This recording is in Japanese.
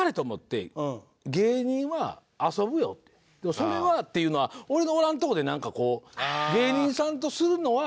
それはっていうのは俺のおらんとこでなんかこう芸人さんとするのは。